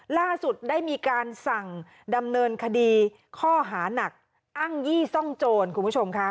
ล่าสุดได้มีการสั่งดำเนินคดีข้อหานักอ้างยี่ซ่องโจรคุณผู้ชมค่ะ